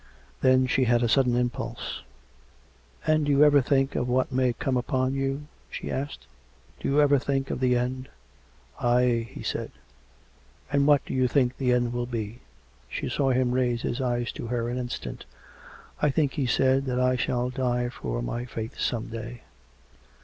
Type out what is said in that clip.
Then she had a sudden impulse. 200 COME RACK! COME ROPE! " And do you ever think of what may come upon you ?" she asked. " Do you ever think of the end? "" Aye," he said. " And what do you think the end will be .''" She saw him raise his eyes to her an instant. " I think," he said, " that I shall die for my faith some day."